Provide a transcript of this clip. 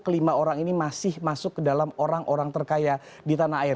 kelima orang ini masih masuk ke dalam orang orang terkaya di tanah air